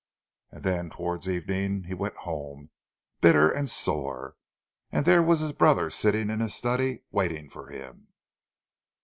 And then, toward evening, he went home, bitter and sore. And there was his brother sitting in his study, waiting for him.